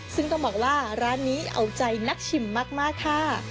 ซึ่งต้องบอกว่าร้านนี้เอาใจนักชิมมากค่ะ